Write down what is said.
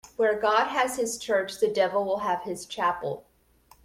Where God has his church, the devil will have his chapel.